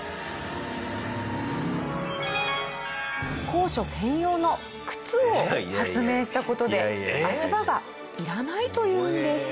高所専用の靴を発明した事で足場がいらないというんです。